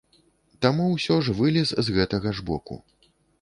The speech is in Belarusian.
Таму ўсё ж вылез з гэтага ж боку.